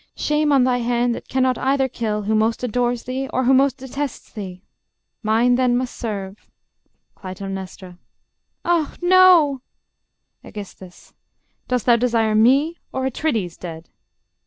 _ Shame on thy hand, that cannot either kill Who most adores thee, or who most detests thee! Mine then must serve.... Cly. Ah!... no.... Aegis. Dost thou desire Me, or Atrides, dead?